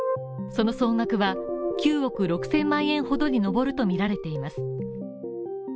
その総額は９億６０００万円ほどに上るとみられています。